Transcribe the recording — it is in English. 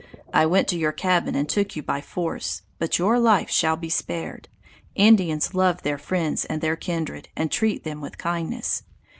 I went to your cabin and took you by force! But your life shall be spared. Indians love their friends and their kindred, and treat them with kindness.